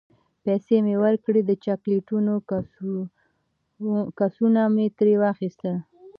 پیسې مې ورکړې، د چاکلیټو کڅوڼه مې ترې واخیستل.